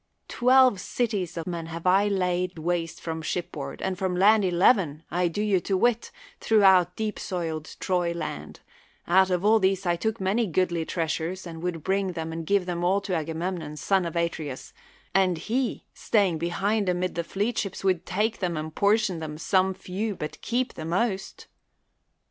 Twelve cities of men have I laid w^aste from shipboard, and from land eleven, I do you to wit, throughout deep soiled Troy land ; out of all these took I many goodly treasures, and would bring and give them all to Agamemnon, son of Atreus, and he staying behind amid the fleet ships would take them and portion out some few but keep the most.